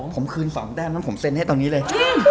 ผมคืนสองแดดผมเซ็นให้ตรงนี้เลย